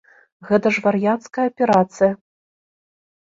Гэта ж вар'яцкая аперацыя.